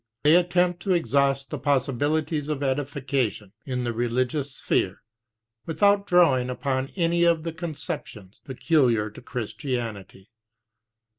they attempt to exhaust the possibilities of edification in the religious »phere without drawing upon any of the conceptions peculiar to Christianity.